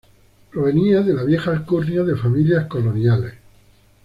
Provenía de la vieja alcurnia de familias coloniales.